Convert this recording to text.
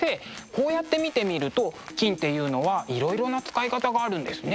こうやって見てみると金っていうのはいろいろな使い方があるんですね。